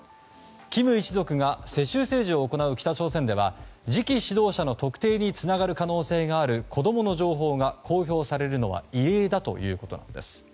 金一族が世襲政治を行う北朝鮮では次期指導者の特定につながる可能性がある子供の情報が公表されるのは異例だということです。